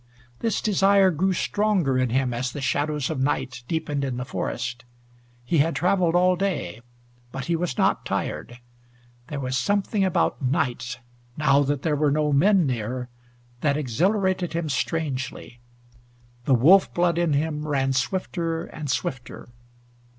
This desire grew stronger in him as the shadows of night deepened in the forest. He had traveled all day, but he was not tired. There was something about night, now that there were no men near, that exhilarated him strangely. The wolf blood in him ran swifter and swifter.